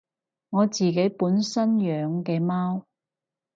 我自己本身養嘅貓